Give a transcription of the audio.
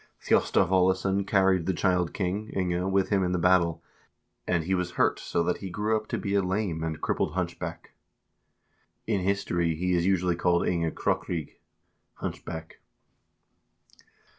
Thjostolv Aalesson carried the child king, Inge, with him in the battle, and he was hurt so that he grew up to be a lame and crippled hunchback. In history he is usually called Inge Krokryg (Hunchback).